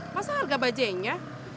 masa harga bajajnya